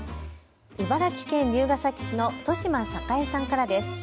茨城県龍ケ崎市の戸嶋栄さんからです。